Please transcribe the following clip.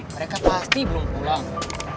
mereka pasti belum pulang